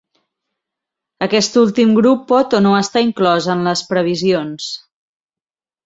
Aquest últim grup pot o no estar inclòs en les previsions.